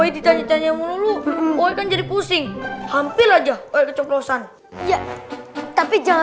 woi ditanya tanya dulu woi kan jadi pusing hampir aja keceplosan tapi jangan